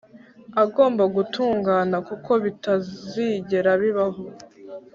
agombagutungana kuko bitazigera bibaho